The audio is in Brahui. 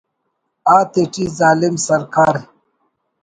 آتیٹی ظالم سرکار